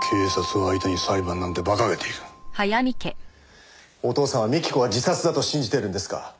お義父さんは幹子が自殺だと信じているんですか？